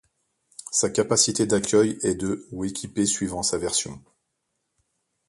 Sa capacité d'accueil est de ou équipés suivant sa version.